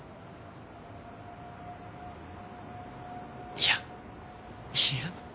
いやいや。